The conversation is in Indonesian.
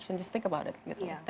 hanya berpikir tentang itu